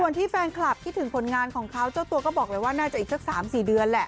ส่วนที่แฟนคลับคิดถึงผลงานของเขาเจ้าตัวก็บอกเลยว่าน่าจะอีกสัก๓๔เดือนแหละ